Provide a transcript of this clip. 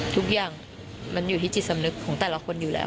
ทุกอย่างมันอยู่ที่จิตสำนึกของแต่ละคนอยู่แล้ว